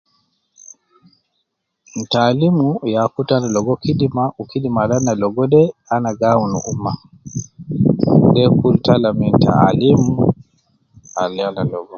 Taalim ya kutu ana logo kidima, ukidima al ana logo de, ana gi awun ma umma. De kul tala min taalim al ana logo.